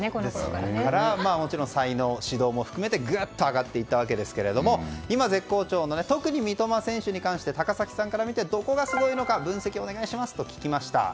もちろん才能、指導も含めてグッと上がっていったわけですが今絶好調の特に三笘選手を高崎さんから見てどこがすごいのか分析をお願いしますと聞きました。